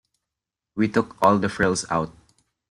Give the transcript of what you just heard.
We took all the frills out.